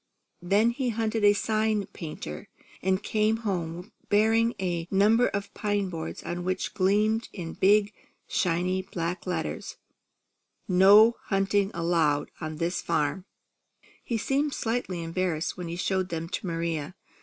Then he hunted a sign painter, and came home bearing a number of pine boards on which gleamed in big, shiny black letters: ++| NO HUNTING ALLOWED || ON THIS FARM |++ He seemed slightly embarrassed when he showed them to Maria.